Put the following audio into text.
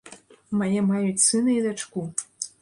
Мае маюць сына і дачку.